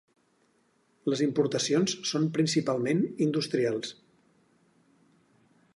Les importacions són principalment industrials.